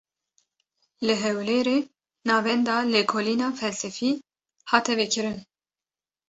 Li Hewlêrê, Navenda Lêkolîna Felsefî hate vekirin